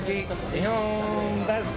日本バスケ